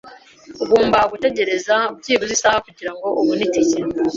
Ugomba gutegereza byibuze isaha kugirango ubone itike